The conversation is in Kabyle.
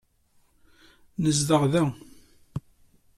Nezdeɣ da.